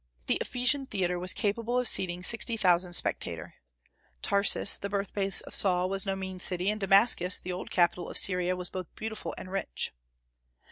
The Ephesian theatre was capable of seating sixty thousand spectators. Tarsus, the birthplace of Paul, was no mean city; and Damascus, the old capital of Syria, was both beautiful and rich.